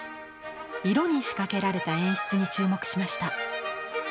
色に仕掛けられた演出に注目しました。